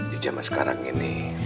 di zaman sekarang ini